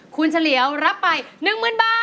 คุณเฉลี่ยวรับไป๑หมื่นบาท